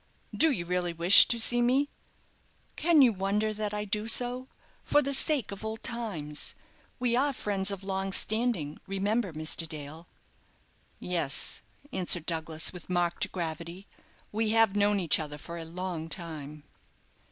"Do you really wish to see me?" "Can you wonder that I do so for the sake of old times. We are friends of long standing, remember, Mr. Dale." "Yes," answered Douglas, with marked gravity. "We have known each other for a long time."